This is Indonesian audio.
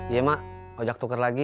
iya mak ojak tukar lagi